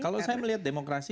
kalau saya melihat demokrasi